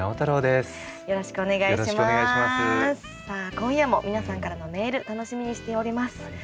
さあ今夜も皆さんからのメール楽しみにしております。